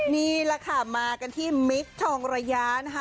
นี่แหละค่ะมากันที่มิคทองระยะนะคะ